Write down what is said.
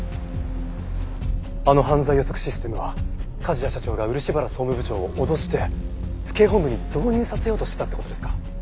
あの犯罪予測システムは梶谷社長が漆原総務部長を脅して府警本部に導入させようとしてたって事ですか？